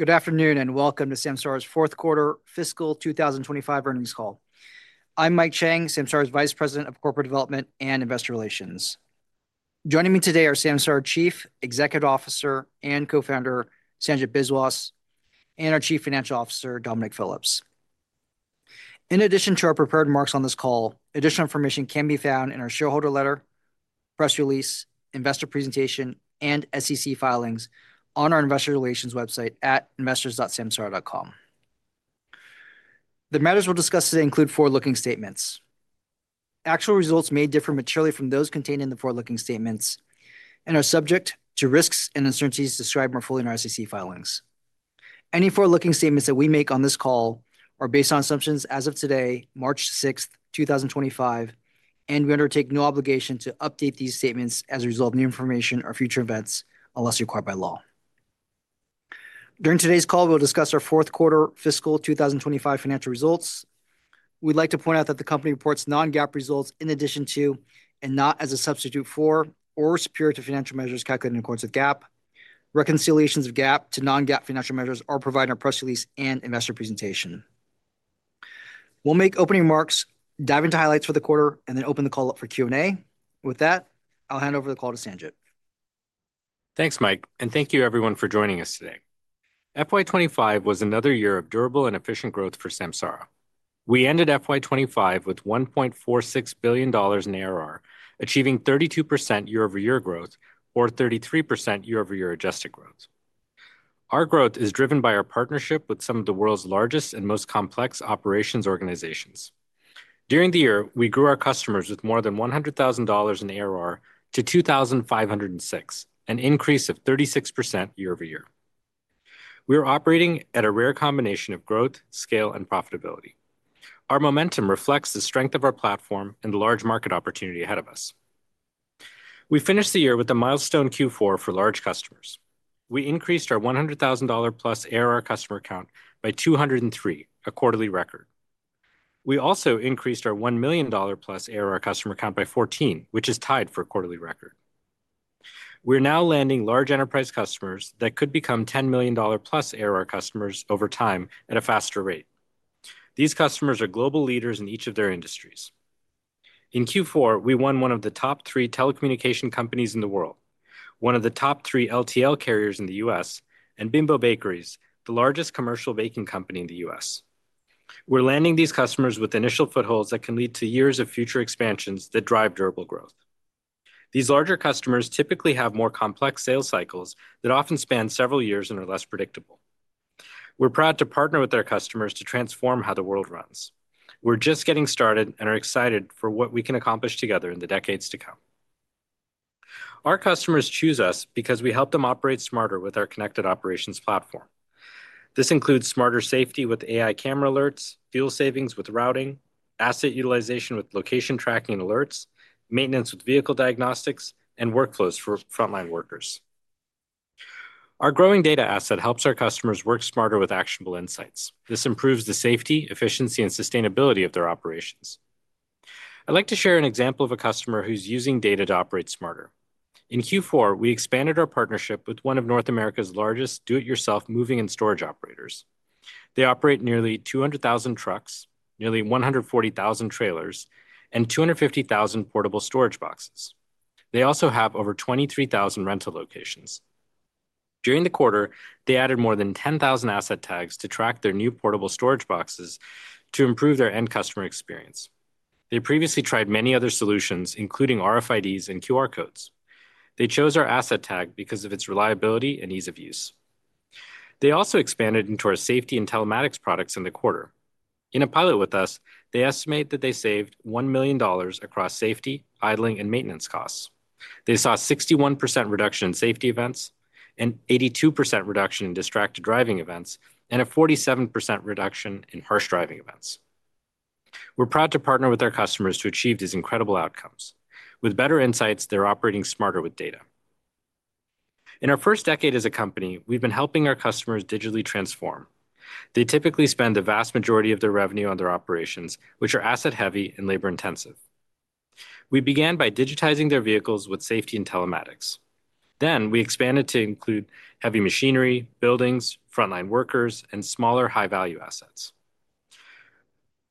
Good afternoon and welcome to Samsara's Fourth Quarter Fiscal 2025 Earnings Call. I'm Mike Chang, Samsara's Vice President of Corporate Development and Investor Relations. Joining me today are Samsara Chief Executive Officer and Co-Founder Sanjit Biswas and our Chief Financial Officer Dominic Phillips. In addition to our prepared remarks on this call, additional information can be found in our shareholder letter, press release, investor presentation, and SEC filings on our investor relations website at investors.samsara.com. The matters we'll discuss today include forward-looking statements. Actual results may differ materially from those contained in the forward-looking statements and are subject to risks and uncertainties described more fully in our SEC filings. Any forward-looking statements that we make on this call are based on assumptions as of today, March 6th, 2025, and we undertake no obligation to update these statements as a result of new information or future events unless required by law. During today's call, we'll discuss our fourth quarter fiscal 2025 financial results. We'd like to point out that the company reports non-GAAP results in addition to, and not as a substitute for, or superior to financial measures calculated in accordance with GAAP. Reconciliations of GAAP to non-GAAP financial measures are provided in our press release and investor presentation. We'll make opening remarks, dive into highlights for the quarter, and then open the call up for Q&A. With that, I'll hand over the call to Sanjit. Thanks, Mike, and thank you everyone for joining us today. FY 2025 was another year of durable and efficient growth for Samsara. We ended FY 2025 with $1.46 billion in ARR, achieving 32% year-over-year growth or 33% year-over-year adjusted growth. Our growth is driven by our partnership with some of the world's largest and most complex operations organizations. During the year, we grew our customers with more than $100,000 in ARR to 2,506, an increase of 36% year-over-year. We are operating at a rare combination of growth, scale, and profitability. Our momentum reflects the strength of our platform and the large market opportunity ahead of us. We finished the year with a milestone Q4 for large customers. We increased our $100,000+ ARR customer count by 203, a quarterly record. We also increased our $1 million+ ARR customer count by 14, which is tied for a quarterly record. We're now landing large enterprise customers that could become $10 million+ ARR customers over time at a faster rate. These customers are global leaders in each of their industries. In Q4, we won one of the top three telecommunication companies in the world, one of the top three LTL carriers in the U.S., and Bimbo Bakeries, the largest commercial baking company in the U.S. We're landing these customers with initial footholds that can lead to years of future expansions that drive durable growth. These larger customers typically have more complex sales cycles that often span several years and are less predictable. We're proud to partner with our customers to transform how the world runs. We're just getting started and are excited for what we can accomplish together in the decades to come. Our customers choose us because we help them operate smarter with our connected operations platform. This includes smarter safety with AI camera alerts, fuel savings with routing, asset utilization with location tracking alerts, maintenance with vehicle diagnostics, and workflows for frontline workers. Our growing data asset helps our customers work smarter with actionable insights. This improves the safety, efficiency, and sustainability of their operations. I'd like to share an example of a customer who's using data to operate smarter. In Q4, we expanded our partnership with one of North America's largest do-it-yourself moving and storage operators. They operate nearly 200,000 trucks, nearly 140,000 trailers, and 250,000 portable storage boxes. They also have over 23,000 rental locations. During the quarter, they added more than 10,000 Asset Tags to track their new portable storage boxes to improve their end customer experience. They previously tried many other solutions, including RFIDs and QR codes. They chose our Asset Tag because of its reliability and ease of use. They also expanded into our safety and Telematics products in the quarter. In a pilot with us, they estimate that they saved $1 million across safety, idling, and maintenance costs. They saw a 61% reduction in safety events, an 82% reduction in distracted driving events, and a 47% reduction in harsh driving events. We're proud to partner with our customers to achieve these incredible outcomes. With better insights, they're operating smarter with data. In our first decade as a company, we've been helping our customers digitally transform. They typically spend the vast majority of their revenue on their operations, which are asset-heavy and labor-intensive. We began by digitizing their vehicles with safety and Telematics. Then we expanded to include heavy machinery, buildings, frontline workers, and smaller high-value assets.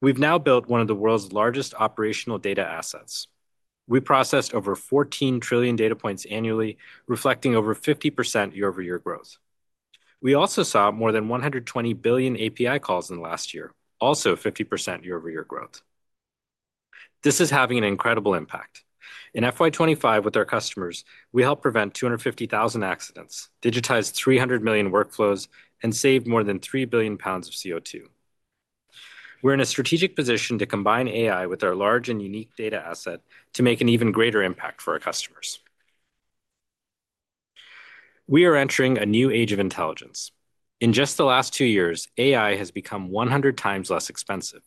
We've now built one of the world's largest operational data assets. We processed over 14 trillion data points annually, reflecting over 50% year-over-year growth. We also saw more than 120 billion API calls in the last year, also 50% year-over-year growth. This is having an incredible impact. In FY 2025, with our customers, we helped prevent 250,000 accidents, digitized 300 million workflows, and saved more than 3 billion lbs of CO2. We're in a strategic position to combine AI with our large and unique data asset to make an even greater impact for our customers. We are entering a new age of intelligence. In just the last two years, AI has become 100 times less expensive.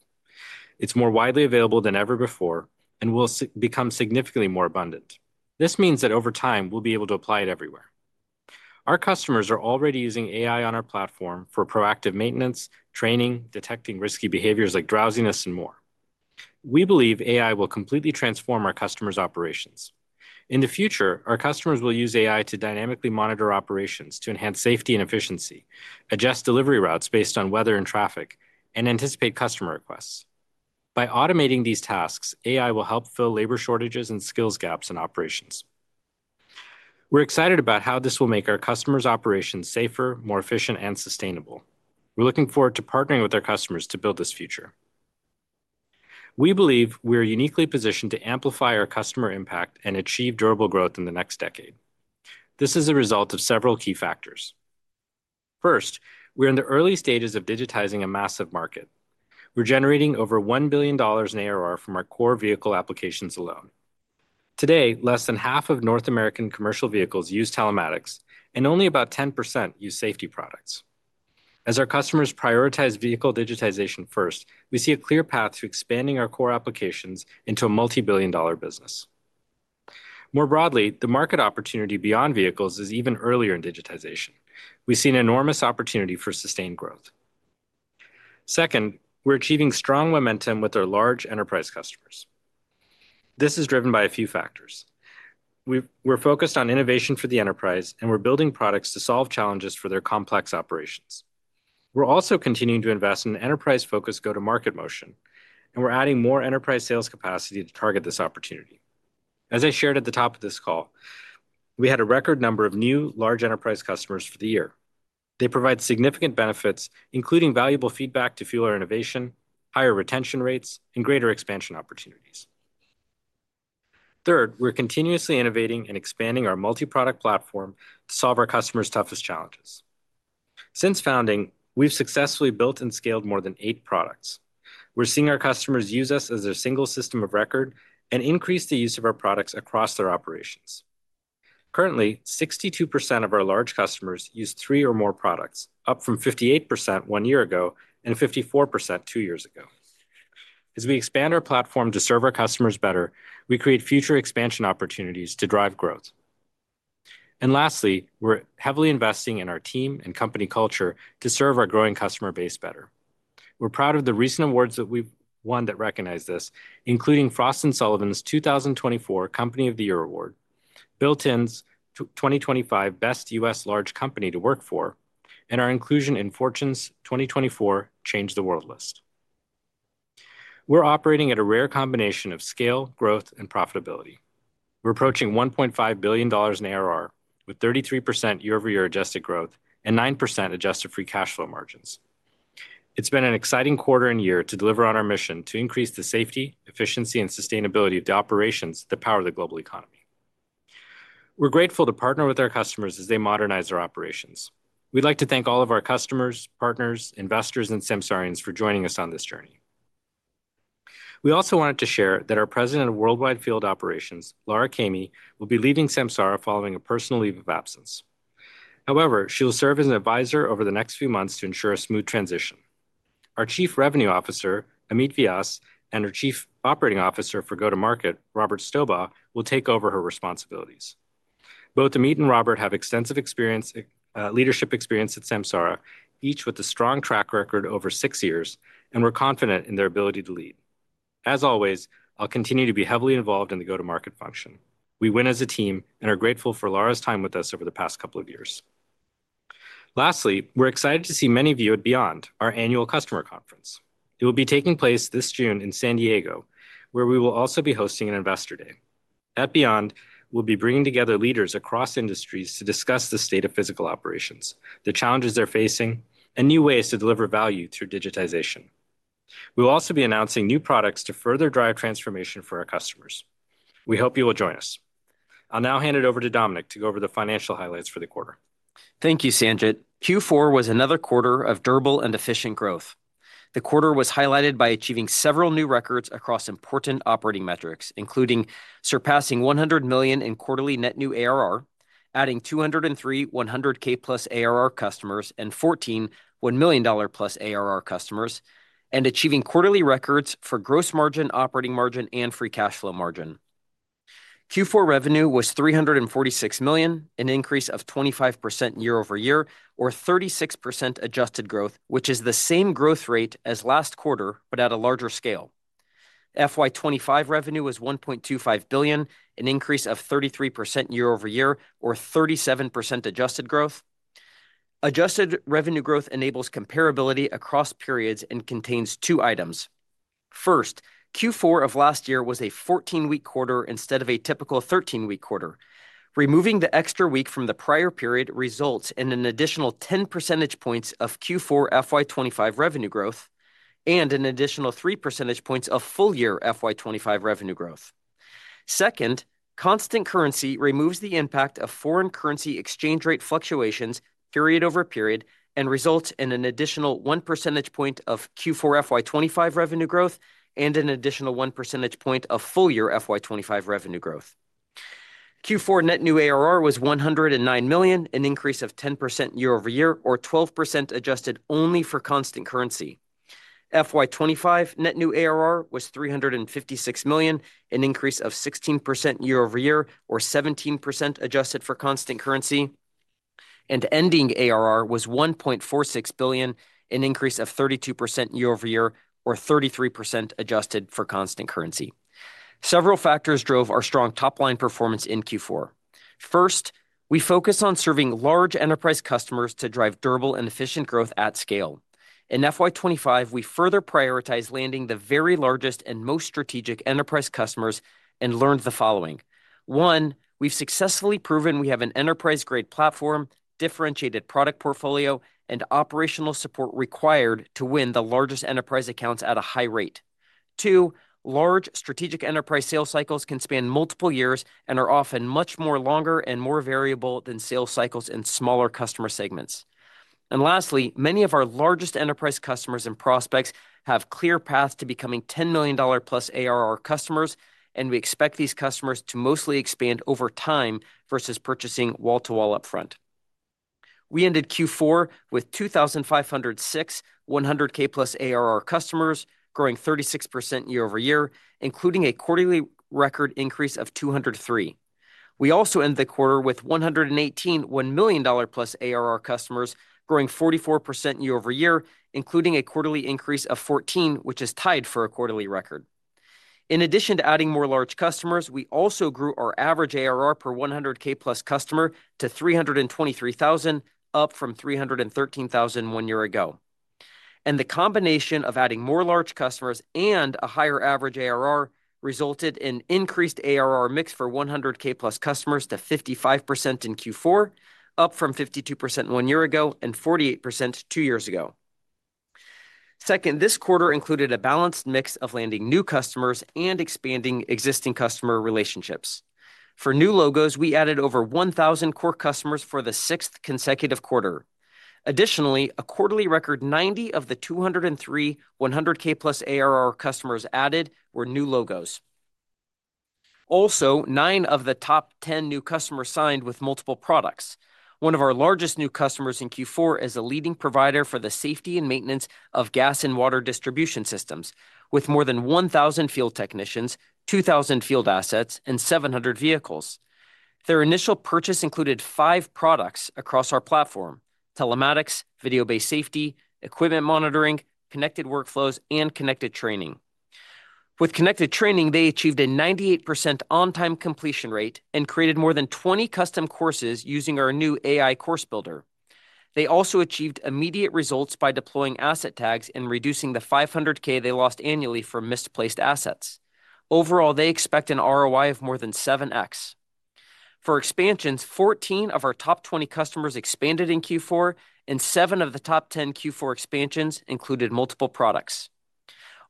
It's more widely available than ever before and will become significantly more abundant. This means that over time, we'll be able to apply it everywhere. Our customers are already using AI on our platform for proactive maintenance, training, detecting risky behaviors like drowsiness and more. We believe AI will completely transform our customers' operations. In the future, our customers will use AI to dynamically monitor operations to enhance safety and efficiency, adjust delivery routes based on weather and traffic, and anticipate customer requests. By automating these tasks, AI will help fill labor shortages and skills gaps in operations. We're excited about how this will make our customers' operations safer, more efficient, and sustainable. We're looking forward to partnering with our customers to build this future. We believe we are uniquely positioned to amplify our customer impact and achieve durable growth in the next decade. This is a result of several key factors. First, we're in the early stages of digitizing a massive market. We're generating over $1 billion in ARR from our core vehicle applications alone. Today, less than half of North American commercial vehicles use Telematics, and only about 10% use safety products. As our customers prioritize vehicle digitization first, we see a clear path to expanding our core applications into a multi-billion-dollar business. More broadly, the market opportunity beyond vehicles is even earlier in digitization. We see an enormous opportunity for sustained growth. Second, we're achieving strong momentum with our large enterprise customers. This is driven by a few factors. We're focused on innovation for the enterprise, and we're building products to solve challenges for their complex operations. We're also continuing to invest in an enterprise-focused go-to-market motion, and we're adding more enterprise sales capacity to target this opportunity. As I shared at the top of this call, we had a record number of new large enterprise customers for the year. They provide significant benefits, including valuable feedback to fuel our innovation, higher retention rates, and greater expansion opportunities. Third, we're continuously innovating and expanding our multi-product platform to solve our customers' toughest challenges. Since founding, we've successfully built and scaled more than eight products. We're seeing our customers use us as their single system of record and increase the use of our products across their operations. Currently, 62% of our large customers use three or more products, up from 58% one year ago and 54% two years ago. As we expand our platform to serve our customers better, we create future expansion opportunities to drive growth. And lastly, we're heavily investing in our team and company culture to serve our growing customer base better. We're proud of the recent awards that we've won that recognize this, including Frost & Sullivan's 2024 Company of the Year Award, Built In's 2025 Best U.S. Large Company to Work For, and our inclusion in Fortune's 2024 Change the World list. We're operating at a rare combination of scale, growth, and profitability. We're approaching $1.5 billion in ARR, with 33% year-over-year adjusted growth and 9% adjusted free cash flow margins. It's been an exciting quarter and year to deliver on our mission to increase the safety, efficiency, and sustainability of the operations that power the global economy. We're grateful to partner with our customers as they modernize their operations. We'd like to thank all of our customers, partners, investors, and Samsarians for joining us on this journey. We also wanted to share that our President of Worldwide Field Operations, Lara Caimi, will be leaving Samsara following a personal leave of absence. However, she will serve as an advisor over the next few months to ensure a smooth transition. Our Chief Revenue Officer, Amit Vyas, and our Chief Operating Officer for Go-to-Market, Robert Stobaugh, will take over her responsibilities. Both Amit and Robert have extensive leadership experience at Samsara, each with a strong track record over six years, and we're confident in their ability to lead. As always, I'll continue to be heavily involved in the go-to-market function. We win as a team and are grateful for Lara's time with us over the past couple of years. Lastly, we're excited to see many of you at Beyond, our annual customer conference. It will be taking place this June in San Diego, where we will also be hosting an Investor Day. At Beyond, we'll be bringing together leaders across industries to discuss the state of physical operations, the challenges they're facing, and new ways to deliver value through digitization. We'll also be announcing new products to further drive transformation for our customers. We hope you will join us. I'll now hand it over to Dominic to go over the financial highlights for the quarter. Thank you, Sanjit. Q4 was another quarter of durable and efficient growth. The quarter was highlighted by achieving several new records across important operating metrics, including surpassing $100 million in quarterly net new ARR, adding 203 $100,000+ ARR customers and 14 $1 million+ ARR customers, and achieving quarterly records for gross margin, operating margin, and free cash flow margin. Q4 revenue was $346 million, an increase of 25% year-over-year, or 36% adjusted growth, which is the same growth rate as last quarter, but at a larger scale. FY 2025 revenue was $1.25 billion, an increase of 33% year-over-year, or 37% adjusted growth. Adjusted revenue growth enables comparability across periods and contains two items. First, Q4 of last year was a 14-week quarter instead of a typical 13-week quarter. Removing the extra week from the prior period results in an additional 10 percentage points of Q4 FY 2025 revenue growth and an additional 3 percentage points of full-year FY 2025 revenue growth. Second, constant currency removes the impact of foreign currency exchange rate fluctuations period over period and results in an additional 1 percentage point of Q4 FY 2025 revenue growth and an additional 1 percentage point of full-year FY 2025 revenue growth. Q4 net new ARR was $109 million, an increase of 10% year-over-year, or 12% adjusted only for constant currency. FY 2025 net new ARR was $356 million, an increase of 16% year-over-year, or 17% adjusted for constant currency, and ending ARR was $1.46 billion, an increase of 32% year-over-year, or 33% adjusted for constant currency. Several factors drove our strong top-line performance in Q4. First, we focused on serving large enterprise customers to drive durable and efficient growth at scale. In FY 2025, we further prioritized landing the very largest and most strategic enterprise customers and learned the following. One, we've successfully proven we have an enterprise-grade platform, differentiated product portfolio, and operational support required to win the largest enterprise accounts at a high rate. Two, large strategic enterprise sales cycles can span multiple years and are often much more longer and more variable than sales cycles in smaller customer segments. And lastly, many of our largest enterprise customers and prospects have clear paths to becoming $10 million+ ARR customers, and we expect these customers to mostly expand over time versus purchasing wall-to-wall upfront. We ended Q4 with 2,506 100,000+ ARR customers, growing 36% year-over-year, including a quarterly record increase of 203. We also end the quarter with 118 $1 million-plus ARR customers, growing 44% year-over-year, including a quarterly increase of 14, which is tied for a quarterly record. In addition to adding more large customers, we also grew our average ARR per $100,000+ customer to $323,000, up from $313,000 one year ago. And the combination of adding more large customers and a higher average ARR resulted in increased ARR mix for $100,000+ customers to 55% in Q4, up from 52% one year ago and 48% two years ago. Second, this quarter included a balanced mix of landing new customers and expanding existing customer relationships. For new logos, we added over 1,000 core customers for the sixth consecutive quarter. Additionally, a quarterly record 90 of the 203 $100,000+ ARR customers added were new logos. Also, nine of the top 10 new customers signed with multiple products. One of our largest new customers in Q4 is a leading provider for the safety and maintenance of gas and water distribution systems, with more than 1,000 field technicians, 2,000 field assets, and 700 vehicles. Their initial purchase included five products across our platform: Telematics, Video-Based Safety, Equipment Monitoring, Connected Workflows, and Connected Training. With Connected Training, they achieved a 98% on-time completion rate and created more than 20 custom courses using our new AI Course Builder. They also achieved immediate results by deploying Asset Tags and reducing the $500,000 they lost annually for misplaced assets. Overall, they expect an ROI of more than 7x. For expansions, 14 of our top 20 customers expanded in Q4, and seven of the top 10 Q4 expansions included multiple products.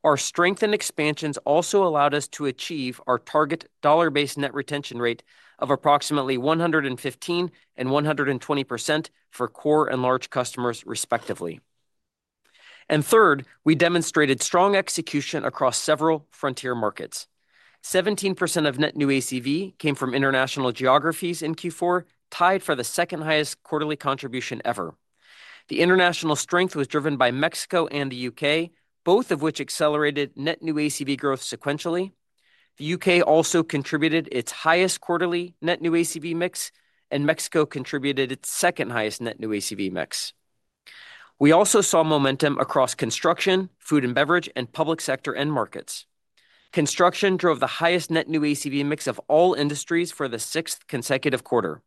Our strengthened expansions also allowed us to achieve our target dollar-based net retention rate of approximately 115% and 120% for core and large customers, respectively, and third, we demonstrated strong execution across several frontier markets. 17% of net new ACV came from international geographies in Q4, tied for the second-highest quarterly contribution ever. The international strength was driven by Mexico and the U.K., both of which accelerated net new ACV growth sequentially. The U.K. also contributed its highest quarterly net new ACV mix, and Mexico contributed its second-highest net new ACV mix. We also saw momentum across construction, food and beverage, and public sector end markets. Construction drove the highest net new ACV mix of all industries for the sixth consecutive quarter.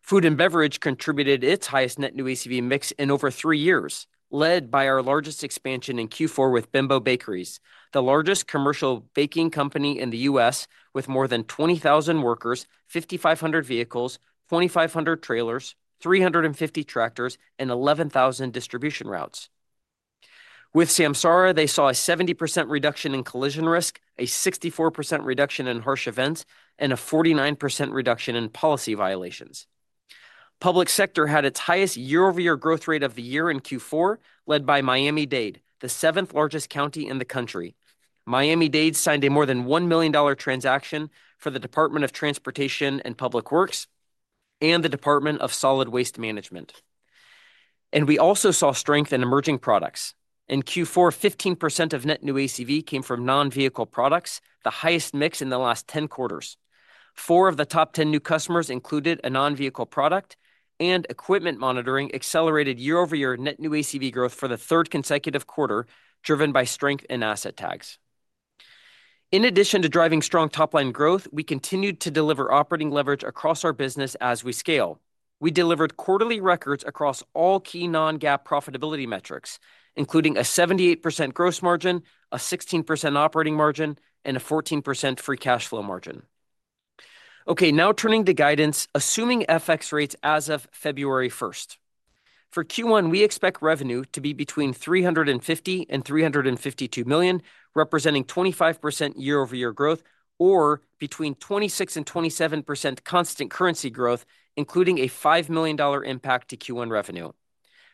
Food and beverage contributed its highest net new ACV mix in over three years, led by our largest expansion in Q4 with Bimbo Bakeries, the largest commercial baking company in the U.S. with more than 20,000 workers, 5,500 vehicles, 2,500 trailers, 350 tractors, and 11,000 distribution routes. With Samsara, they saw a 70% reduction in collision risk, a 64% reduction in harsh events, and a 49% reduction in policy violations. Public sector had its highest year-over-year growth rate of the year in Q4, led by Miami-Dade, the seventh-largest county in the country. Miami-Dade signed a more than $1 million transaction for the Department of Transportation and Public Works and the Department of Solid Waste Management, and we also saw strength in emerging products. In Q4, 15% of net new ACV came from non-vehicle products, the highest mix in the last 10 quarters. Four of the top 10 new customers included a non-vehicle product and Equipment Monitoring accelerated year-over-year net new ACV growth for the third consecutive quarter, driven by strength in Asset Tags. in addition to driving strong top-line growth, we continued to deliver operating leverage across our business as we scale. We delivered quarterly records across all key non-GAAP profitability metrics, including a 78% gross margin, a 16% operating margin, and a 14% free cash flow margin. Okay, now turning to guidance, assuming FX rates as of February 1st. For Q1, we expect revenue to be between $350-$352 million, representing 25% year-over-year growth, or between 26%-27% constant currency growth, including a $5 million impact to Q1 revenue.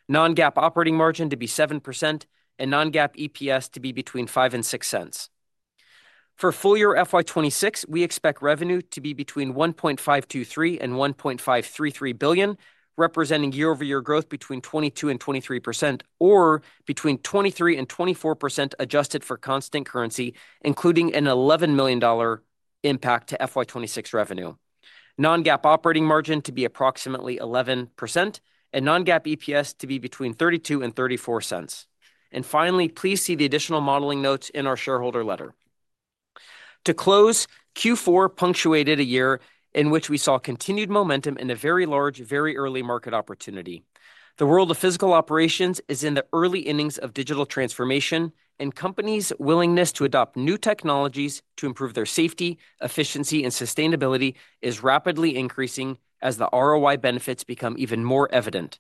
Non-GAAP operating margin to be 7%, and non-GAAP EPS to be between $0.05 and $0.06. For full-year FY 2026, we expect revenue to be between $1.523-$1.533 billion, representing year-over-year growth between 22%-23%, or between 23%-24% adjusted for constant currency, including an $11 million impact to FY 2026 revenue. Non-GAAP operating margin to be approximately 11%, and non-GAAP EPS to be between $0.32-$0.34. And finally, please see the additional modeling notes in our shareholder letter. To close, Q4 punctuated a year in which we saw continued momentum in a very large, very early market opportunity. The world of physical operations is in the early innings of digital transformation, and companies' willingness to adopt new technologies to improve their safety, efficiency, and sustainability is rapidly increasing as the ROI benefits become even more evident.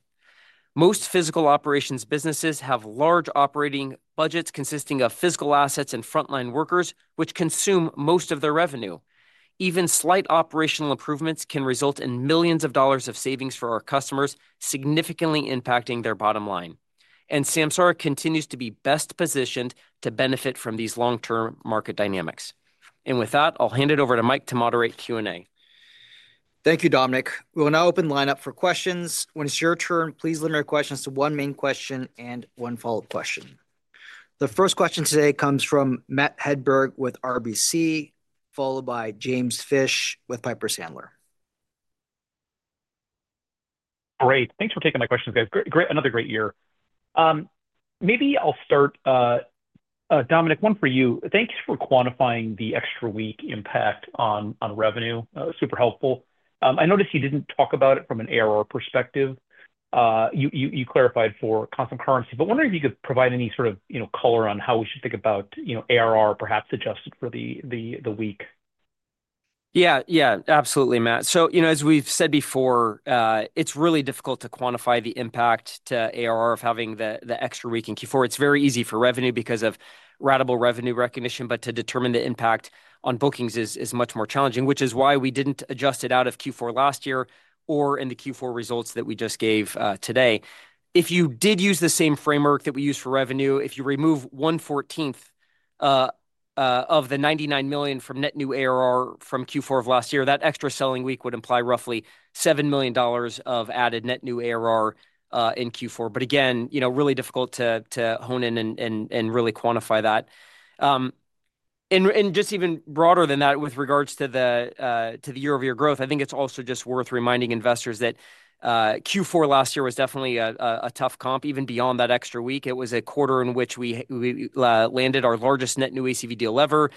Most physical operations businesses have large operating budgets consisting of physical assets and frontline workers, which consume most of their revenue. Even slight operational improvements can result in millions of dollars of savings for our customers, significantly impacting their bottom line. And Samsara continues to be best positioned to benefit from these long-term market dynamics. And with that, I'll hand it over to Mike to moderate Q&A. Thank you, Dominic. We'll now open the lineup for questions. When it's your turn, please limit your questions to one main question and one follow-up question. The first question today comes from Matt Hedberg with RBC, followed by James Fish with Piper Sandler. Great. Thanks for taking my questions, guys. Another great year. Maybe I'll start, Dominic, one for you. Thanks for quantifying the extra week impact on revenue. Super helpful. I noticed you didn't talk about it from an ARR perspective. You clarified for constant currency, but I wonder if you could provide any sort of color on how we should think about ARR, perhaps adjusted for the week. Yeah, yeah, absolutely, Matt. So as we've said before, it's really difficult to quantify the impact to ARR of having the extra week in Q4. It's very easy for revenue because of ratable revenue recognition, but to determine the impact on bookings is much more challenging, which is why we didn't adjust it out of Q4 last year or in the Q4 results that we just gave today. If you did use the same framework that we use for revenue, if you remove one fourteenth of the $99 million from net new ARR from Q4 of last year, that extra selling week would imply roughly $7 million of added net new ARR in Q4. But again, really difficult to hone in and really quantify that. And just even broader than that, with regards to the year-over-year growth, I think it's also just worth reminding investors that Q4 last year was definitely a tough comp, even beyond that extra week. It was a quarter in which we landed our largest net new ACV deal ever.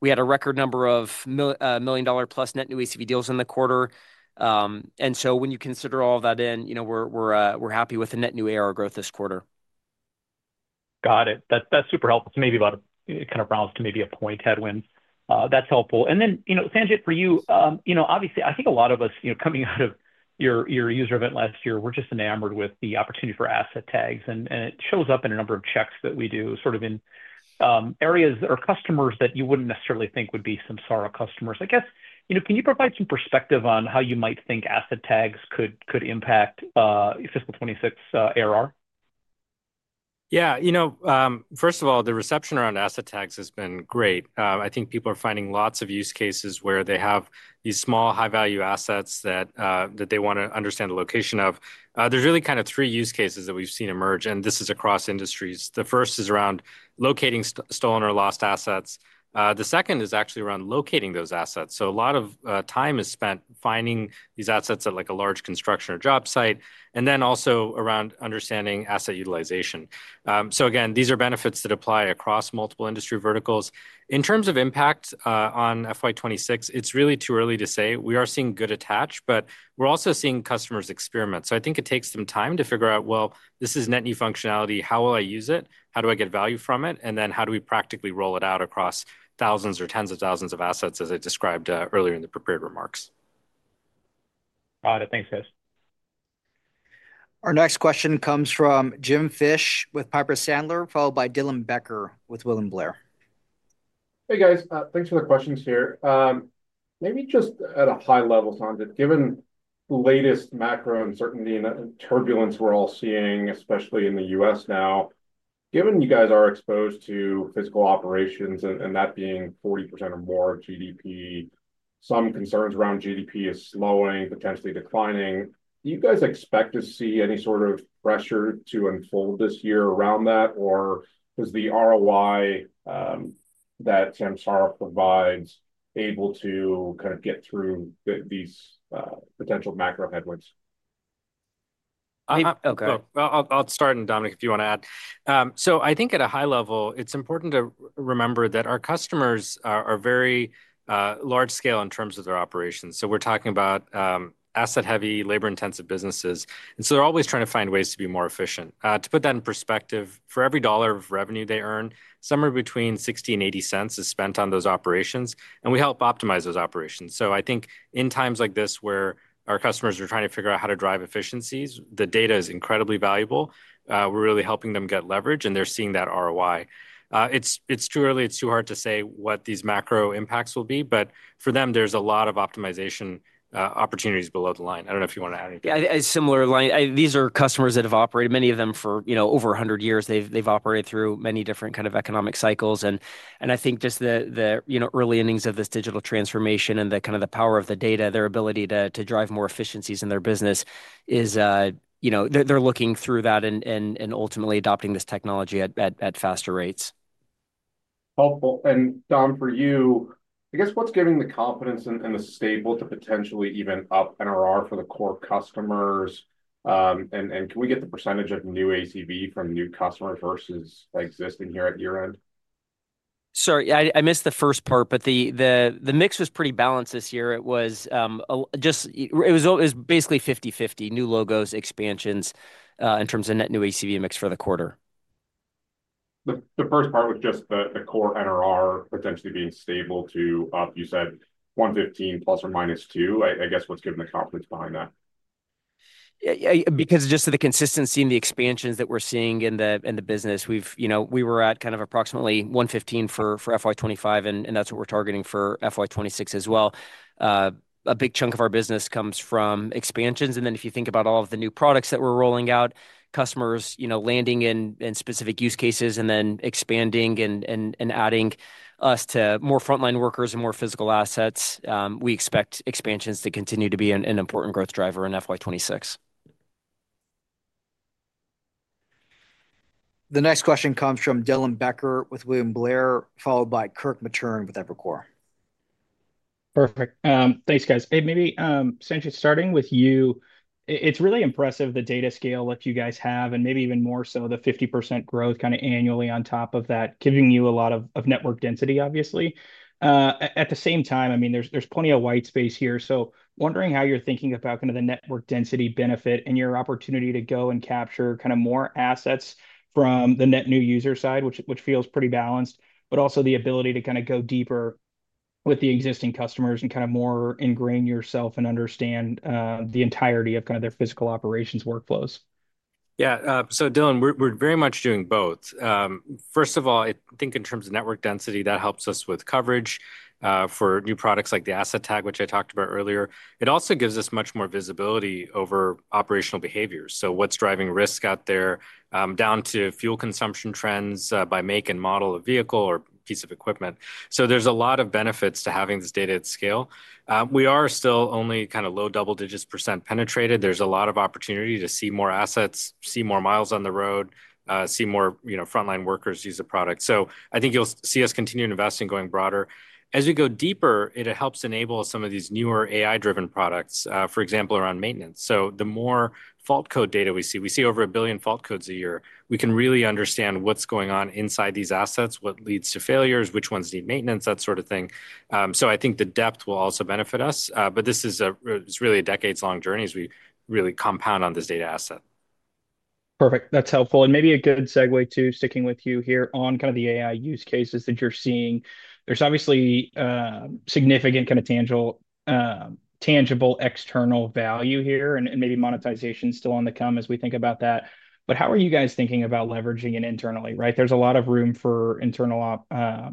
We had a record number of $1 million+ net new ACV deals in the quarter. And so when you consider all of that in, we're happy with the net new ARR growth this quarter. Got it. That's super helpful. So maybe kind of rounds to maybe a point headwind. That's helpful. And then, Sanjit, for you, obviously, I think a lot of us coming out of your user event last year, we're just enamored with the opportunity Asset Tags. and it shows up in a number of checks that we do sort of in areas or customers that you wouldn't necessarily think would be Samsara customers. I guess, can you provide some perspective on how you might think Asset Tags could impact Fiscal 2026 ARR? Yeah. First of all, the reception around Asset Tags has been great. I think people are finding lots of use cases where they have these small, high-value assets that they want to understand the location of. There's really kind of three use cases that we've seen emerge, and this is across industries. The first is around locating stolen or lost assets. The second is actually around locating those assets. So a lot of time is spent finding these assets at a large construction or job site, and then also around understanding asset utilization. So again, these are benefits that apply across multiple industry verticals. In terms of impact on FY 2026, it's really too early to say. We are seeing good attach, but we're also seeing customers experiment. So I think it takes some time to figure out, well, this is net new functionality. How will I use it? How do I get value from it? And then how do we practically roll it out across thousands or tens of thousands of assets, as I described earlier in the prepared remarks? Got it. Thanks, guys. Our next question comes from Jim Fish with Piper Sandler, followed by Dylan Becker with William Blair. Hey, guys. Thanks for the questions here. Maybe just at a high level, Sanjit, given the latest macro uncertainty and turbulence we're all seeing, especially in the U.S. now, given you guys are exposed to physical operations and that being 40% or more of GDP, some concerns around GDP is slowing, potentially declining, do you guys expect to see any sort of pressure to unfold this year around that, or is the ROI that Samsara provides able to kind of get through these potential macro headwinds? I'll start, and Dominic, if you want to add. So I think at a high level, it's important to remember that our customers are very large scale in terms of their operations. So we're talking about asset-heavy, labor-intensive businesses. And so they're always trying to find ways to be more efficient. To put that in perspective, for every dollar of revenue they earn, somewhere between $0.60 and $0.80 is spent on those operations, and we help optimize those operations. So I think in times like this where our customers are trying to figure out how to drive efficiencies, the data is incredibly valuable. We're really helping them get leverage, and they're seeing that ROI. It's too early. It's too hard to say what these macro impacts will be, but for them, there's a lot of optimization opportunities below the line. I don't know if you want to add anything. A similar line. These are customers that have operated, many of them for over 100 years. They've operated through many different kinds of economic cycles. And I think just the early innings of this digital transformation and the kind of power of the data, their ability to drive more efficiencies in their business, they're looking through that and ultimately adopting this technology at faster rates. Helpful. And, Dom, for you, I guess what's giving the confidence and the stability to potentially even up NRR for the core customers? And can we get the percentage of new ACV from new customers versus existing here at year-end? Sorry, I missed the first part, but the mix was pretty balanced this year. It was basically 50/50, new logos, expansions in terms of net new ACV mix for the quarter. The first part was just the core NRR potentially being stable, too, you said, 115%±2%. I guess, what's giving the confidence behind that? Because of just the consistency and the expansions that we're seeing in the business, we were at kind of approximately 115% for FY 2025, and that's what we're targeting for FY 2026 as well. A big chunk of our business comes from expansions, and then if you think about all of the new products that we're rolling out, customers landing in specific use cases and then expanding and adding us to more frontline workers and more physical assets, we expect expansions to continue to be an important growth driver in FY 2026. The next question comes from Dylan Becker with William Blair, followed by Kirk Materne with Evercore. Perfect. Thanks, guys. Hey, maybe, Sanjit, starting with you, it's really impressive the data scale that you guys have, and maybe even more so the 50% growth kind of annually on top of that, giving you a lot of network density, obviously. At the same time, I mean, there's plenty of white space here. So wondering how you're thinking about kind of the network density benefit and your opportunity to go and capture kind of more assets from the net new user side, which feels pretty balanced, but also the ability to kind of go deeper with the existing customers and kind of more ingrain yourself and understand the entirety of kind of their physical operations workflows. Yeah. So Dylan, we're very much doing both. First of all, I think in terms of network density, that helps us with coverage for new products like the Asset Tag, which I talked about earlier. It also gives us much more visibility over operational behaviors. So what's driving risk out there, down to fuel consumption trends by make and model of vehicle or piece of equipment. So there's a lot of benefits to having this data at scale. We are still only kind of low double digits% penetrated. There's a lot of opportunity to see more assets, see more miles on the road, see more frontline workers use the product. So I think you'll see us continue to invest in going broader. As we go deeper, it helps enable some of these newer AI-driven products, for example, around maintenance. So, the more fault code data we see, we see over a billion fault codes a year, we can really understand what's going on inside these assets, what leads to failures, which ones need maintenance, that sort of thing. So, I think the depth will also benefit us. But this is really a decades-long journey as we really compound on this data asset. Perfect. That's helpful, and maybe a good segue to sticking with you here on kind of the AI use cases that you're seeing. There's obviously significant kind of tangible external value here and maybe monetization still on the come as we think about that, but how are you guys thinking about leveraging it internally? There's a lot of room for internal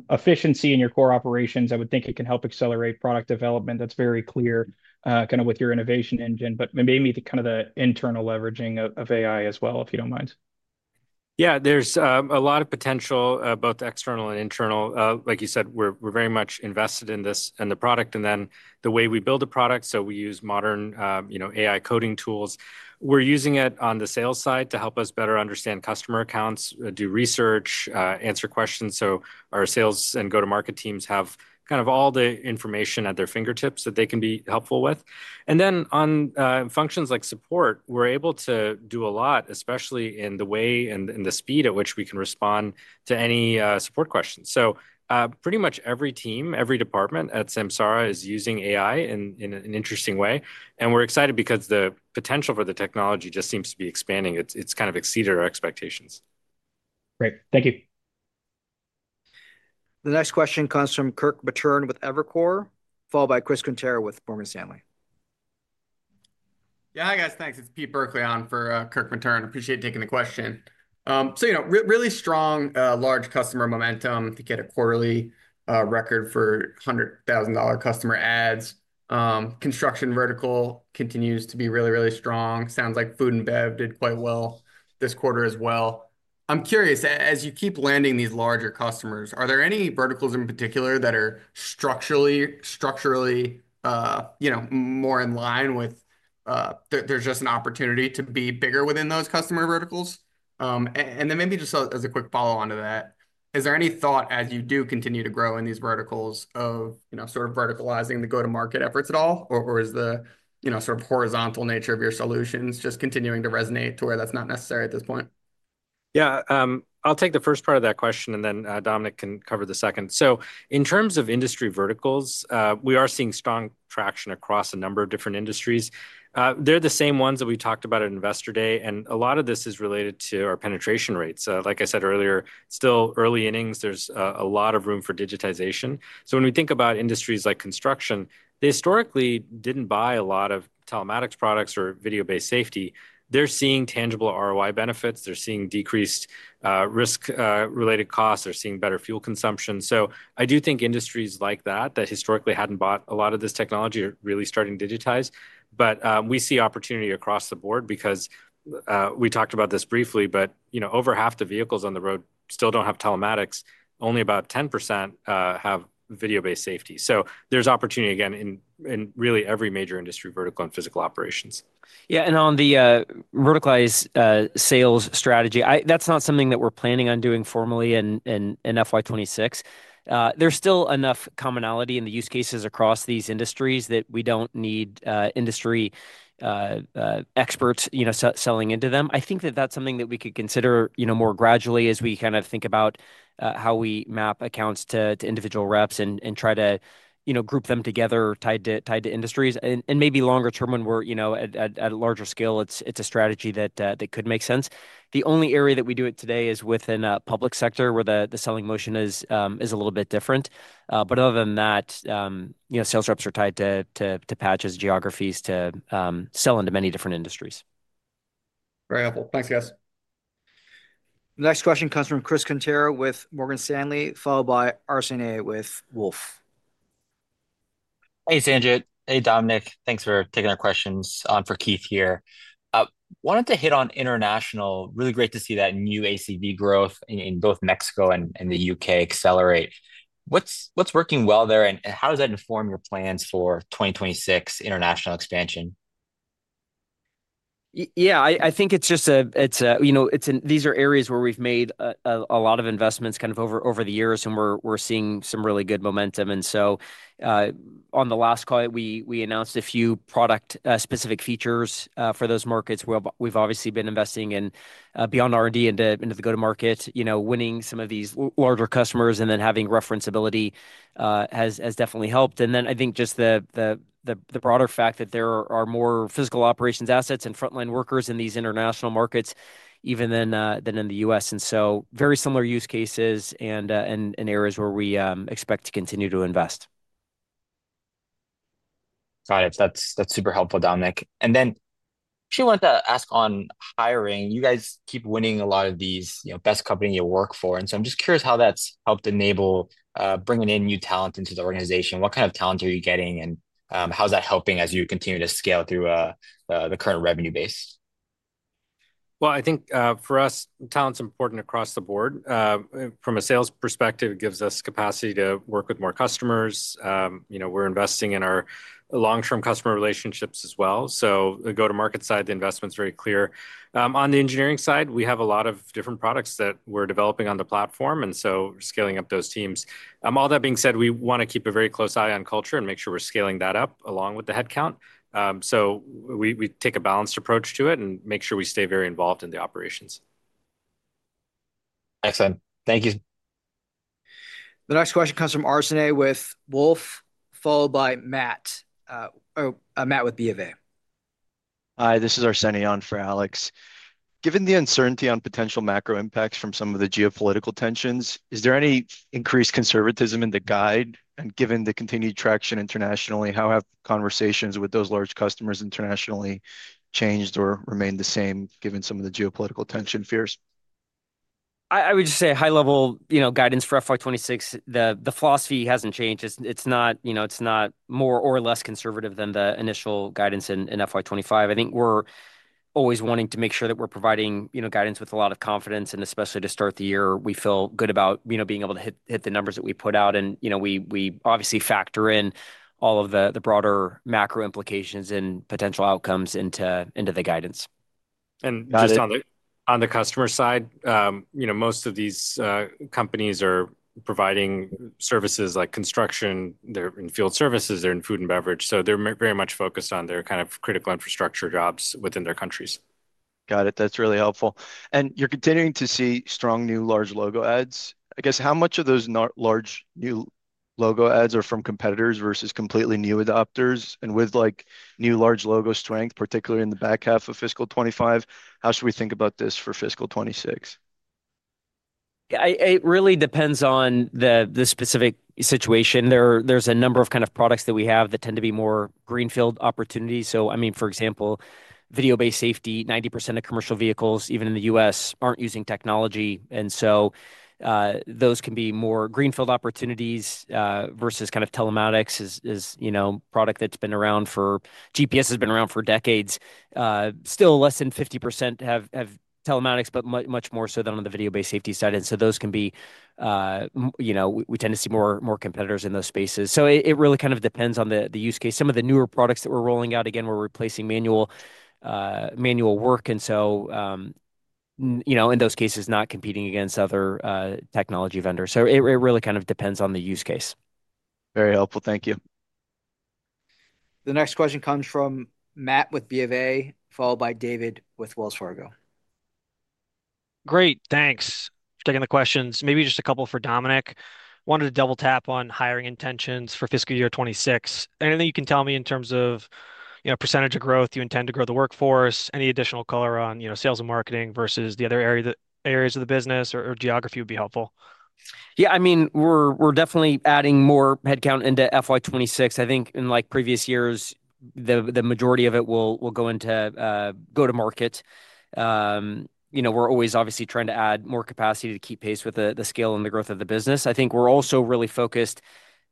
efficiency in your core operations. I would think it can help accelerate product development. That's very clear kind of with your innovation engine, but maybe kind of the internal leveraging of AI as well, if you don't mind. Yeah, there's a lot of potential, both external and internal. Like you said, we're very much invested in this and the product and then the way we build the product. So we use modern AI coding tools. We're using it on the sales side to help us better understand customer accounts, do research, answer questions. So our sales and go-to-market teams have kind of all the information at their fingertips that they can be helpful with. And then on functions like support, we're able to do a lot, especially in the way and the speed at which we can respond to any support questions. So pretty much every team, every department at Samsara is using AI in an interesting way. And we're excited because the potential for the technology just seems to be expanding. It's kind of exceeded our expectations. Great. Thank you. The next question comes from Kirk Materne with Evercore, followed by Chris Quintero with Morgan Stanley. Yeah, guys, thanks. It's Pete Burkly on for Kirk Materne. Appreciate taking the question. So really strong large customer momentum. You get a quarterly record for $100,000 customer ACV adds. Construction vertical continues to be really, really strong. Sounds like Food and Bev did quite well this quarter as well. I'm curious, as you keep landing these larger customers, are there any verticals in particular that are structurally more in line with there being just an opportunity to be bigger within those customer verticals? And then maybe just as a quick follow-on to that, is there any thought as you do continue to grow in these verticals of sort of verticalizing the go-to-market efforts at all, or is the sort of horizontal nature of your solutions just continuing to resonate to where that's not necessary at this point? Yeah, I'll take the first part of that question, and then Dominic can cover the second. So in terms of industry verticals, we are seeing strong traction across a number of different industries. They're the same ones that we talked about at Investor Day, and a lot of this is related to our penetration rates. Like I said earlier, still early innings. There's a lot of room for digitization. So when we think about industries like construction, they historically didn't buy a lot of Telematics products or Video-Based Safety. They're seeing tangible ROI benefits. They're seeing decreased risk-related costs. They're seeing better fuel consumption. So I do think industries like that that historically hadn't bought a lot of this technology are really starting to digitize. But we see opportunity across the board because we talked about this briefly, but over half the vehicles on the road still don't have Telematics. Only about 10% have Video-Based Safety. So there's opportunity again in really every major industry vertical and physical operations. Yeah. And on the verticalized sales strategy, that's not something that we're planning on doing formally in FY 2026. There's still enough commonality in the use cases across these industries that we don't need industry experts selling into them. I think that that's something that we could consider more gradually as we kind of think about how we map accounts to individual reps and try to group them together, tied to industries. And maybe longer term when we're at a larger scale, it's a strategy that could make sense. The only area that we do it today is within public sector where the selling motion is a little bit different. But other than that, sales reps are tied to patches, geographies to sell into many different industries. Very helpful. Thanks, guys. The next question comes from Chris Quintero with Morgan Stanley, followed by Arsenije with Wolfe. Hey, Sanjit. Hey, Dominic. Thanks for taking our questions. On for Keith here. Wanted to hit on international. Really great to see that new ACV growth in both Mexico and the U.K. accelerate. What's working well there, and how does that inform your plans for 2026 international expansion? Yeah, I think it's just these are areas where we've made a lot of investments kind of over the years, and we're seeing some really good momentum. And so on the last call, we announced a few product-specific features for those markets. We've obviously been investing in beyond R&D into the go-to-market, winning some of these larger customers, and then having referenceability has definitely helped. And then I think just the broader fact that there are more physical operations assets and frontline workers in these international markets, even than in the U.S. And so very similar use cases and areas where we expect to continue to invest. Got it. That's super helpful, Dominic. And then I actually wanted to ask on hiring. You guys keep winning a lot of these best companies you work for. And so I'm just curious how that's helped enable bringing in new talent into the organization. What kind of talent are you getting, and how's that helping as you continue to scale through the current revenue base? I think for us, talent's important across the board. From a sales perspective, it gives us capacity to work with more customers. We're investing in our long-term customer relationships as well. The go-to-market side, the investment's very clear. On the engineering side, we have a lot of different products that we're developing on the platform, and so we're scaling up those teams. All that being said, we want to keep a very close eye on culture and make sure we're scaling that up along with the headcount. We take a balanced approach to it and make sure we stay very involved in the operations. Excellent. Thank you. The next question comes from Arsenije with Wolfe, followed by Matt with BofA. Hi, this is Arsenije on for Alex. Given the uncertainty on potential macro impacts from some of the geopolitical tensions, is there any increased conservatism in the guide? And given the continued traction internationally, how have conversations with those large customers internationally changed or remained the same given some of the geopolitical tension fears? I would just say high-level guidance for FY 2026, the philosophy hasn't changed. It's not more or less conservative than the initial guidance in FY 2025. I think we're always wanting to make sure that we're providing guidance with a lot of confidence, and especially to start the year, we feel good about being able to hit the numbers that we put out. And we obviously factor in all of the broader macro implications and potential outcomes into the guidance. And just on the customer side, most of these companies are providing services like construction. They're in field services. They're in food and beverage. So they're very much focused on their kind of critical infrastructure jobs within their countries. Got it. That's really helpful. And you're continuing to see strong new large logo adds. I guess how much of those large new logo adds are from competitors versus completely new adopters? And with new large logo strength, particularly in the back half of fiscal 2025, how should we think about this for fiscal 2026? It really depends on the specific situation. There's a number of kind of products that we have that tend to be more greenfield opportunities. So I mean, for example, Video-based Safety, 90% of commercial vehicles, even in the U.S., aren't using technology. And so those can be more greenfield opportunities versus kind of Telematics is a product that's been around for GPS has been around for decades. Still, less than 50% have Telematics, but much more so than on the Video-Based Safety side. And so those can be we tend to see more competitors in those spaces. So it really kind of depends on the use case. Some of the newer products that we're rolling out, again, we're replacing manual work. And so in those cases, not competing against other technology vendors. So it really kind of depends on the use case. Very helpful. Thank you. The next question comes from Matt with BofA, followed by David with Wells Fargo. Great. Thanks for taking the questions. Maybe just a couple for Dominic. Wanted to double-tap on hiring intentions for fiscal year 2026. Anything you can tell me in terms of percentage of growth you intend to grow the workforce? Any additional color on sales and marketing versus the other areas of the business or geography would be helpful. Yeah, I mean, we're definitely adding more headcount into FY 2026. I think in previous years, the majority of it will go into go-to-market. We're always obviously trying to add more capacity to keep pace with the scale and the growth of the business. I think we're also really focused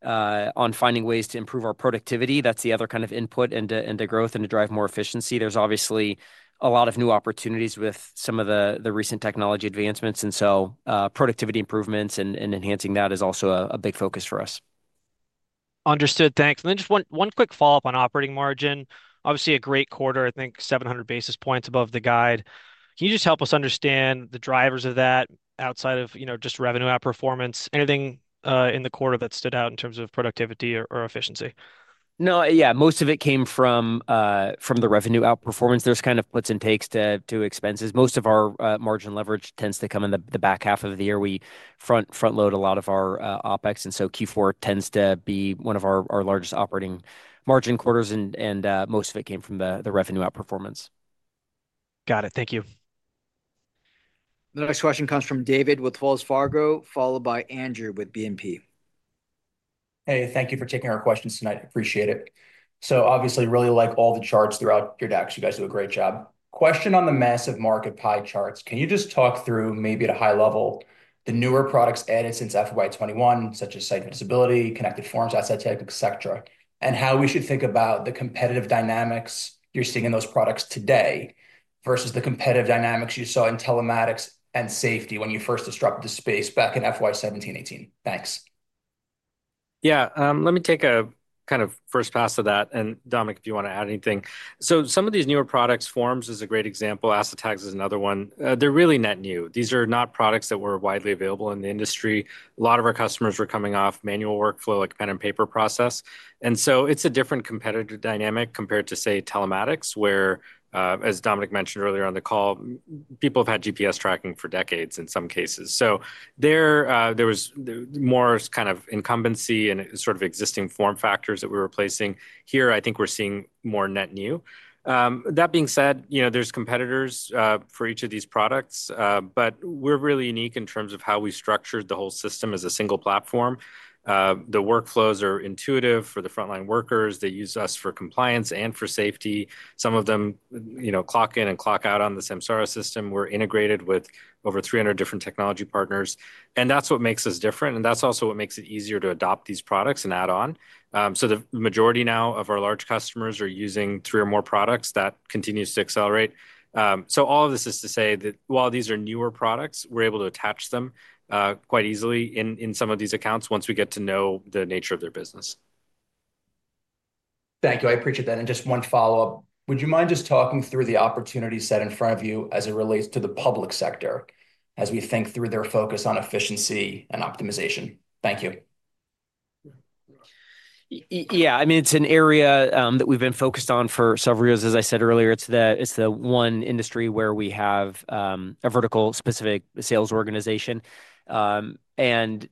on finding ways to improve our productivity. That's the other kind of input into growth and to drive more efficiency. There's obviously a lot of new opportunities with some of the recent technology advancements. And so productivity improvements and enhancing that is also a big focus for us. Understood. Thanks. And then just one quick follow-up on operating margin. Obviously, a great quarter, I think 700 basis points above the guide. Can you just help us understand the drivers of that outside of just revenue outperformance? Anything in the quarter that stood out in terms of productivity or efficiency? No, yeah, most of it came from the revenue outperformance. There's kind of puts and takes to expenses. Most of our margin leverage tends to come in the back half of the year. We front-load a lot of our OpEx, and so Q4 tends to be one of our largest operating margin quarters, and most of it came from the revenue outperformance. Got it. Thank you. The next question comes from David with Wells Fargo, followed by Andrew with BNP. Hey, thank you for taking our questions tonight. Appreciate it. So obviously, really like all the charts throughout your decks. You guys do a great job. Question on the massive market pie charts. Can you just talk through, maybe at a high level, the newer products added since FY21, such as Site Visibility, Connected Forms, Asset Tag, etc., and how we should think about the competitive dynamics you're seeing in those products today versus the competitive dynamics you saw in Telematics and safety when you first disrupted the space back in FY 2017-2018? Thanks. Yeah, let me take a kind of first pass at that. And Dominic, if you want to add anything. Some of these newer products, forms is a great Asset Tags is another one. They're really net new. These are not products that were widely available in the industry. A lot of our customers were coming off manual workflow, like pen and paper process. And so it's a different competitive dynamic compared to, say, Telematics, where, as Dominic mentioned earlier on the call, people have had GPS tracking for decades in some cases. There was more kind of incumbency and sort of existing form factors that we were placing. Here, I think we're seeing more net new. That being said, there's competitors for each of these products, but we're really unique in terms of how we structured the whole system as a single platform. The workflows are intuitive for the frontline workers. They use us for compliance and for safety. Some of them clock in and clock out on the Samsara system. We're integrated with over 300 different technology partners, and that's what makes us different, and that's also what makes it easier to adopt these products and add on, so the majority now of our large customers are using three or more products. That continues to accelerate, so all of this is to say that while these are newer products, we're able to attach them quite easily in some of these accounts once we get to know the nature of their business. Thank you. I appreciate that. And just one follow-up. Would you mind just talking through the opportunity set in front of you as it relates to the public sector as we think through their focus on efficiency and optimization? Thank you. Yeah, I mean, it's an area that we've been focused on for several years. As I said earlier, it's the one industry where we have a vertical-specific sales organization. And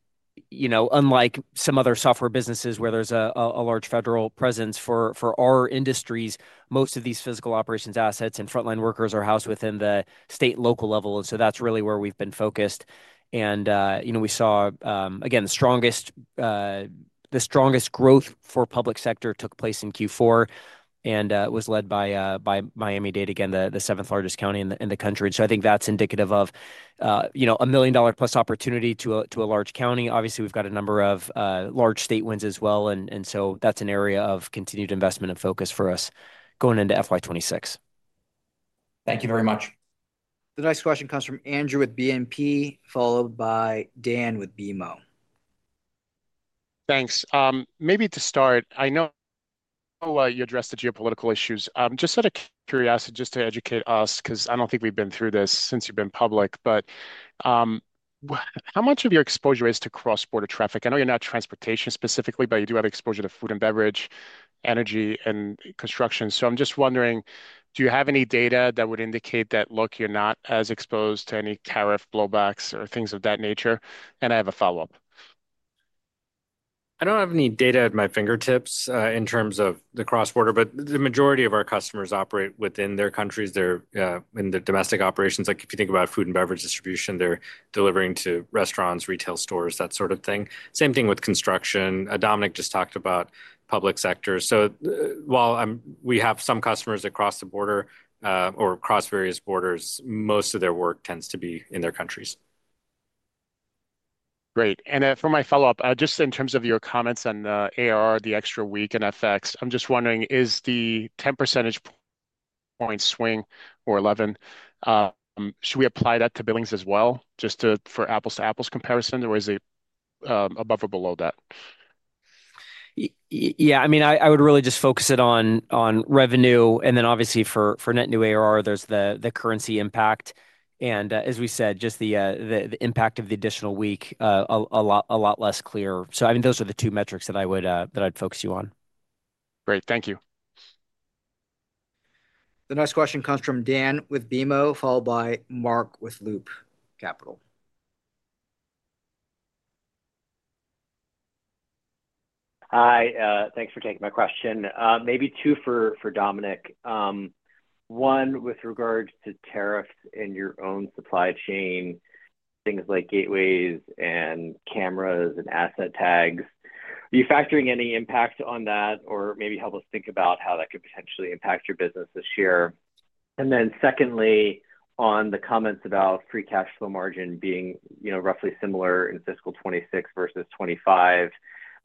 unlike some other software businesses where there's a large federal presence for our industries, most of these physical operations assets and frontline workers are housed within the state and local level. And so that's really where we've been focused. And we saw, again, the strongest growth for public sector took place in Q4 and was led by Miami-Dade, again, the seventh largest county in the country. And so I think that's indicative of a million-dollar-plus opportunity to a large county. Obviously, we've got a number of large state wins as well. And so that's an area of continued investment and focus for us going into FY 2026. Thank you very much. The next question comes from Andrew with BNP, followed by Dan with BMO. Thanks. Maybe to start, I know you addressed the geopolitical issues. Just out of curiosity, just to educate us, because I don't think we've been through this since you've been public, but how much of your exposure is to cross-border traffic? I know you're not transportation specifically, but you do have exposure to food and beverage, energy, and construction. So I'm just wondering, do you have any data that would indicate that, look, you're not as exposed to any tariff blowbacks or things of that nature? And I have a follow-up. I don't have any data at my fingertips in terms of the cross-border, but the majority of our customers operate within their countries, in their domestic operations. If you think about food and beverage distribution, they're delivering to restaurants, retail stores, that sort of thing. Same thing with construction. Dominic just talked about public sector. So while we have some customers across the border or across various borders, most of their work tends to be in their countries. Great. And for my follow-up, just in terms of your comments on AR, the extra week in FX, I'm just wondering, is the 10 percentage point swing or 11, should we apply that to billings as well, just for apples-to-apples comparison, or is it above or below that? Yeah, I mean, I would really just focus it on revenue. And then obviously, for net new ARR, there's the currency impact. And as we said, just the impact of the additional week, a lot less clear. So I mean, those are the two metrics that I'd focus you on. Great. Thank you. The next question comes from Dan with BMO, followed by Mark with Loop Capital. Hi. Thanks for taking my question. Maybe two for Dominic. One, with regards to tariffs in your own supply chain, things like gateways and cameras Asset Tags, are you factoring any impact on that or maybe help us think about how that could potentially impact your business this year? And then secondly, on the comments about free cash flow margin being roughly similar in fiscal 2026 versus 2025,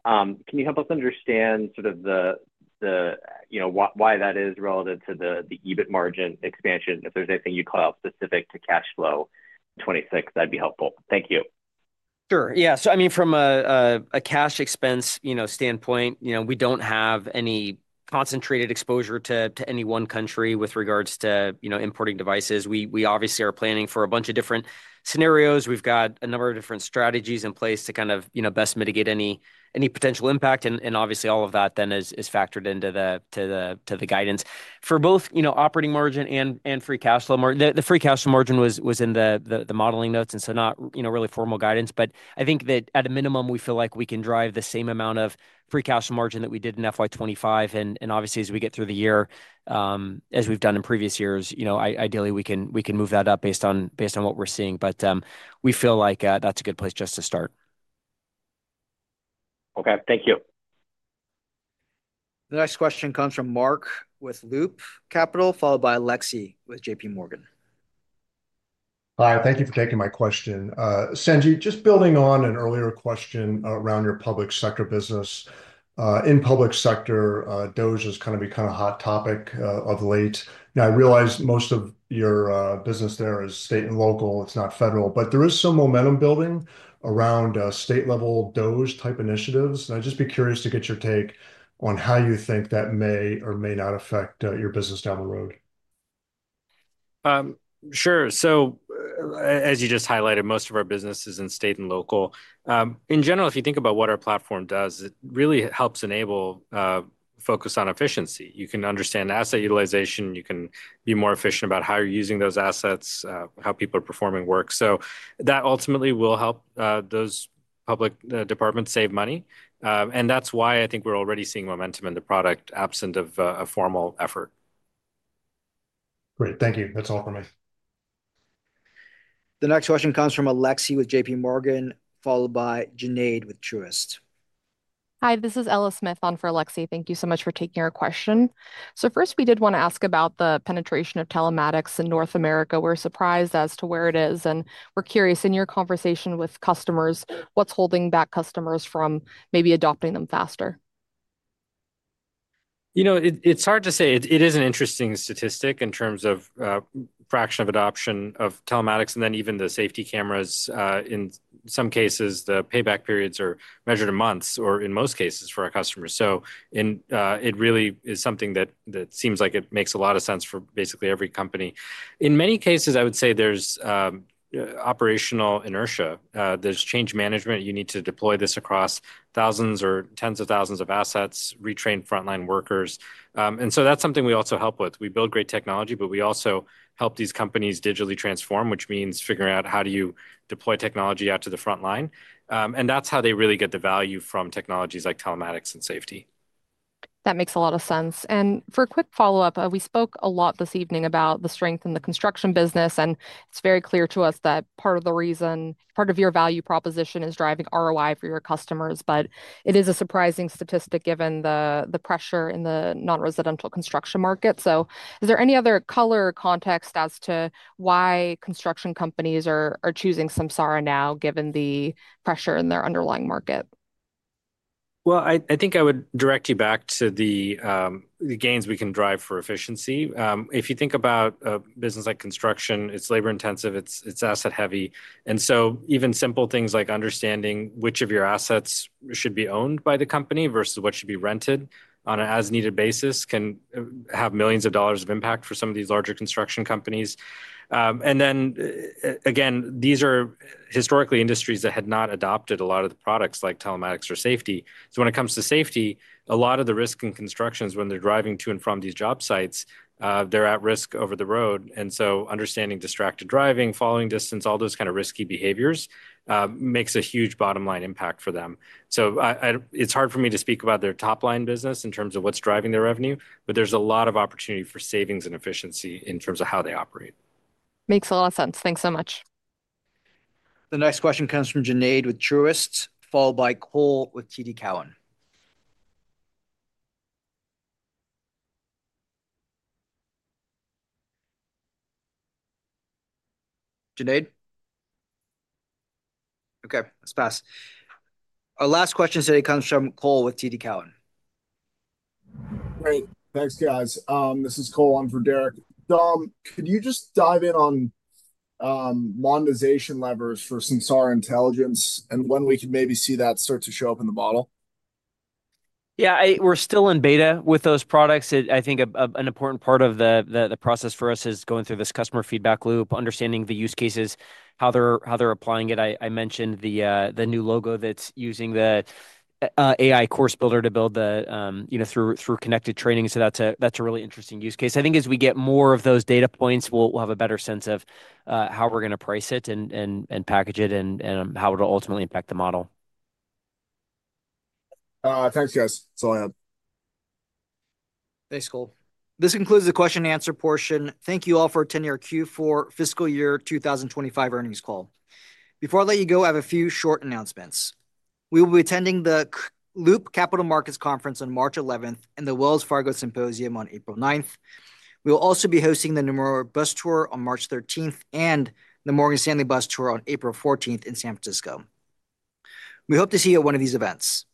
can you help us understand sort of why that is relative to the EBIT margin expansion? If there's anything you call out specific to cash flow 2026, that'd be helpful. Thank you. Sure. Yeah. So I mean, from a cash expense standpoint, we don't have any concentrated exposure to any one country with regards to importing devices. We obviously are planning for a bunch of different scenarios. We've got a number of different strategies in place to kind of best mitigate any potential impact. And obviously, all of that then is factored into the guidance. For both Operating Margin and Free Cash Flow margin, the Free Cash Flow margin was in the modeling notes, and so not really formal guidance. But I think that at a minimum, we feel like we can drive the same amount of Free Cash Flow margin that we did in FY 2025. And obviously, as we get through the year, as we've done in previous years, ideally, we can move that up based on what we're seeing. But we feel like that's a good place just to start. Okay. Thank you. The next question comes from Mark with Loop Capital Markets, followed by Alexei with JPMorgan. Hi. Thank you for taking my question. Sanjit, just building on an earlier question around your public sector business. In public sector, DOGE has kind of become a hot topic of late. Now, I realize most of your business there is state and local. It's not federal. But there is some momentum building around state-level DOGE-type initiatives, and I'd just be curious to get your take on how you think that may or may not affect your business down the road. Sure. So as you just highlighted, most of our business is in state and local. In general, if you think about what our platform does, it really helps enable focus on efficiency. You can understand asset utilization. You can be more efficient about how you're using those assets, how people are performing work. So that ultimately will help those public departments save money. And that's why I think we're already seeing momentum in the product, absent of a formal effort. Great. Thank you. That's all for me. The next question comes from Alexei with JPMorgan, followed by Junaid with Truist. Hi, this is Ella Smith on for Alexei. Thank you so much for taking our question, so first, we did want to ask about the penetration of Telematics in North America. We're surprised as to where it is, and we're curious, in your conversation with customers, what's holding back customers from maybe adopting them faster? It's hard to say. It is an interesting statistic in terms of fraction of adoption of Telematics and then even the safety cameras. In some cases, the payback periods are measured in months or in most cases for our customers. So it really is something that seems like it makes a lot of sense for basically every company. In many cases, I would say there's operational inertia. There's change management. You need to deploy this across thousands or tens of thousands of assets, retrain frontline workers. And so that's something we also help with. We build great technology, but we also help these companies digitally transform, which means figuring out how do you deploy technology out to the frontline. And that's how they really get the value from technologies like Telematics and safety. That makes a lot of sense. And for a quick follow-up, we spoke a lot this evening about the strength in the construction business. And it's very clear to us that part of the reason, part of your value proposition is driving ROI for your customers. But it is a surprising statistic given the pressure in the non-residential construction market. So is there any other color or context as to why construction companies are choosing Samsara now given the pressure in their underlying market? I think I would direct you back to the gains we can drive for efficiency. If you think about a business like construction, it's labor-intensive. It's asset-heavy. And so even simple things like understanding which of your assets should be owned by the company versus what should be rented on an as-needed basis can have millions of dollars of impact for some of these larger construction companies. And then again, these are historically industries that had not adopted a lot of the products like Telematics or safety. So when it comes to safety, a lot of the risk in constructions, when they're driving to and from these job sites, they're at risk over the road. And so understanding distracted driving, following distance, all those kind of risky behaviors makes a huge bottom-line impact for them. So it's hard for me to speak about their top-line business in terms of what's driving their revenue, but there's a lot of opportunity for savings and efficiency in terms of how they operate. Makes a lot of sense. Thanks so much. The next question comes from Junaid with Truist, followed by Cole with TD Cowen. Junaid? Okay. Let's pass. Our last question today comes from Cole with TD Cowen. Great. Thanks, guys. This is Cole on for Derek. Could you just dive in on monetization levers for some Samsara Intelligence and when we could maybe see that start to show up in the model? Yeah. We're still in beta with those products. I think an important part of the process for us is going through this customer feedback loop, understanding the use cases, how they're applying it. I mentioned the new logo that's using the AI Course Builder to build through Connected Training. So that's a really interesting use case. I think as we get more of those data points, we'll have a better sense of how we're going to price it and package it and how it'll ultimately impact the model. Thanks, guys. That's all I have. Thanks, Cole. This concludes the question-and-answer portion. Thank you all for attending our Q4 fiscal year 2025 earnings call. Before I let you go, I have a few short announcements. We will be attending the Loop Capital Markets Conference on March 11th and the Wells Fargo Symposium on April 9th. We will also be hosting the Nomura Bus Tour on March 13th and the Morgan Stanley Bus Tour on April 14th in San Francisco. We hope to see you at one of these events.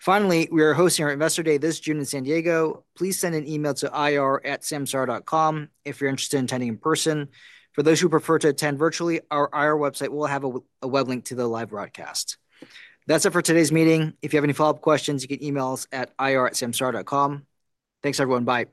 Finally, we are hosting our Investor Day this June in San Diego. Please send an email to ir@samsara.com if you're interested in attending in person. For those who prefer to attend virtually, our IR website will have a web link to the live broadcast. That's it for today's meeting. If you have any follow-up questions, you can email us at ir@samsara.com. Thanks, everyone. Bye.